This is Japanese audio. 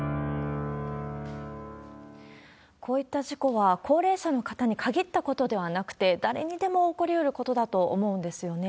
こういった事故は高齢者の方に限ったことではなくて、誰にでも起こりうることだと思うんですよね。